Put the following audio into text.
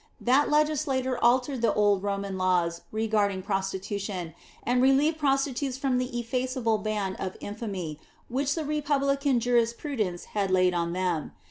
That legislator altered the old Roman laws regarding prostitution, and relieved prostitutes from the ineffaceable ban of infamy which the republican jurisprudence had laid on them.